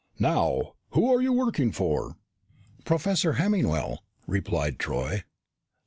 "Now, who are you working for?" "Professor Hemmingwell," replied Troy.